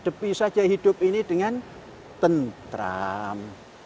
depis saja hidup ini dengan tentram